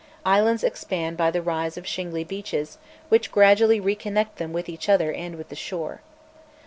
Islands expand by the rise of shingly beaches, which gradually reconnect them with each other and with the shore.